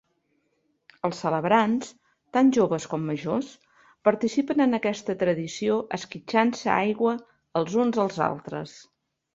Els celebrants, tant joves com majors, participen en aquesta tradició esquitxant-se aigua els uns als altres.